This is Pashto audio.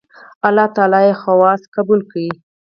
الله تعالی یې خواست قبول کړ.